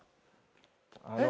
あの。